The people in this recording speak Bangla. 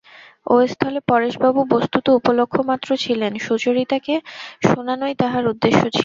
এ স্থলে পরেশবাবু বস্তুত উপলক্ষমাত্র ছিলেন– সুচরিতাকে শোনানোই তাঁহার উদ্দেশ্য ছিল।